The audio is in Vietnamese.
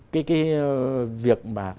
cái việc mà